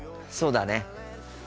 そうだね。